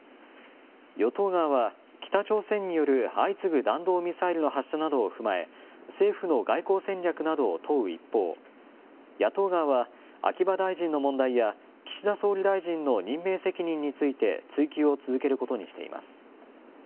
与党側は、北朝鮮による相次ぐ弾道ミサイルの発射などを踏まえ、政府の外交戦略などを問う一方、野党側は、秋葉大臣の問題や、岸田総理大臣の任命責任について追及を続けることにしています。